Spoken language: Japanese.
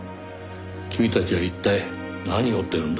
君たちは一体何を追ってるんだ？